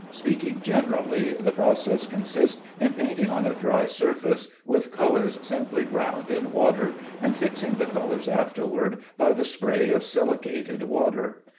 Speaking generally, the process consists in painting on a dry surface with colors simply ground in water, and fixing the colors afterward by the spray of silicated water.